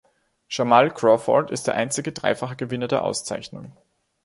Jamal Crawford ist der einzige dreifache Gewinner der Auszeichnung.